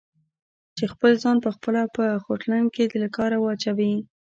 چې خپل ځان په خپله په خوټلون کې له کاره واچوي؟